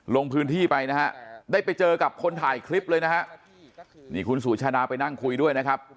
ลงพื้นที่ไปนะฮะได้ไปเจอกับคนถ่ายคลิปเลยนะฮะนี่คุณสุชาดาไปนั่งคุยด้วยนะครับ